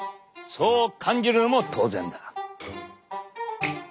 そう感じるのも当然だ。